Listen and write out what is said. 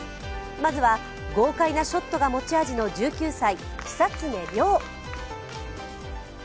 まずは豪快なショットが持ち味の１９歳・久常涼。